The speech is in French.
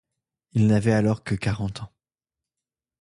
Il n’avait alors que quarante ans.